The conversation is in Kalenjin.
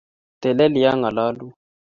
Telel ye angalalun